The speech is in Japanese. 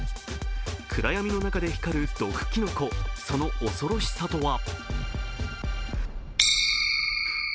暗闇の中で光る毒きのこ、その恐ろしさとは？